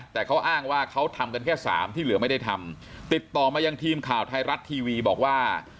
แต่เขาอ้างว่าเขาทำกันแค่สามที่เหลือไม่ได้ทำติดต่อมายังทีมข่าวไทยรัฐทีวีบอกว่า